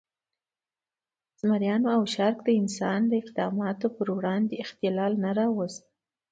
زمریانو او شارک د انسان د اقداماتو پر وړاندې اختلال نه راوست.